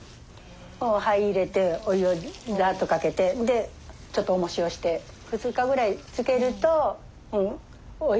灰入れてお湯をザッとかけてちょっとおもしをして２日くらいつけるとおいしい。